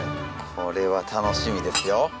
これは楽しみですよ。